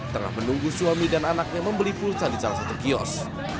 tengah menunggu suami dan anaknya membeli pulsa di salah satu kios